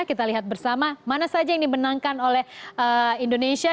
kita lihat bersama mana saja yang dimenangkan oleh indonesia